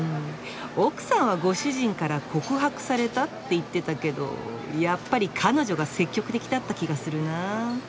奥さんは「ご主人から告白された」って言ってたけどやっぱり彼女が積極的だった気がするなぁ。